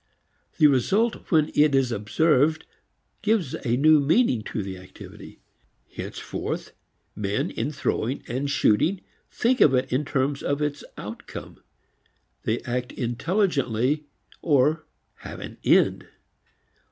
The result when it is observed gives a new meaning to the activity. Henceforth men in throwing and shooting think of it in terms of its outcome; they act intelligently or have an end.